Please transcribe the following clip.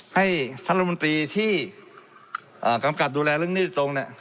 ให้ท่านรมนตรีที่กำกัดดูแลเรื่องนี้จริง